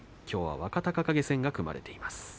きょうは若隆景戦が組まれています。